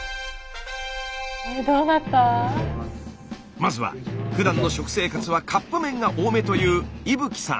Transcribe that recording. まずはふだんの食生活はカップ麺が多めという伊吹さん。